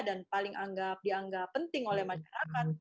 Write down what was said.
dan paling dianggap penting oleh masyarakat